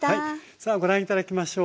さあご覧頂きましょう。